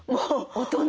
大人！